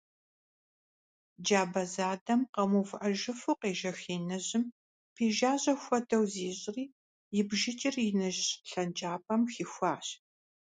Джабэ задэм къэмыувыӀэжыфу къежэх иныжьым пежажьэ хуэдэу зищӀри, и бжыкӀыр иныжь лъэнкӀапӀэм хихуащ.